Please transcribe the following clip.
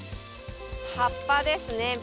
葉っぱですね。